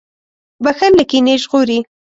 • بښل له کینې ژغوري.